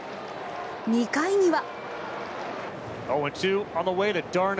２回には。